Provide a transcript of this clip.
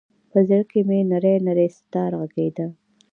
په زړه کې مــــــې نـــری نـــری ستار غـــــږیده